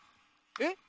えっ。